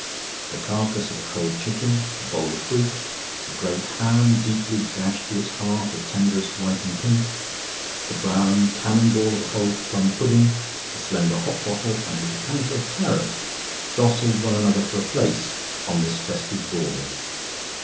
The carcase of a cold chicken, a bowl of fruit, a great ham, deeply gashed to its heart of tenderest white and pink, the brown cannon ball of a cold plum pudding, a slender Hock bottle, and a decanter of claret jostled one another for a place on this festive board.